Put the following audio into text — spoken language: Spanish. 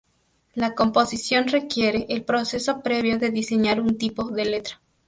La composición requiere el proceso previo de diseñar un tipo de letra.